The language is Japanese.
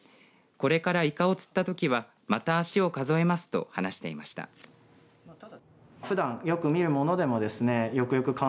これから、いかを釣ったときはまた足を数えますと話していました。